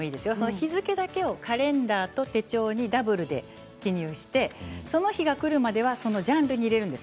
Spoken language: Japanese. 日付だけカレンダーと手帳でダブルで記入してその日がくるまではそのジャンルに入れるんです。